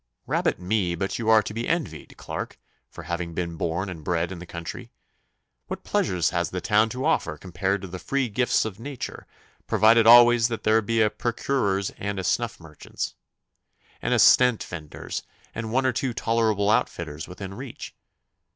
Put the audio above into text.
'Rabbit me! but you are to be envied, Clarke, for having been born and bred in the country! What pleasures has the town to offer compared to the free gifts of nature, provided always that there be a perruquier's and a snuff merchant's, and a scent vendor's, and one or two tolerable outfitters within reach?